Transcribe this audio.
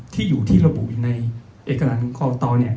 ที่อยู่ที่ระบุในเอกสารของกตเนี่ย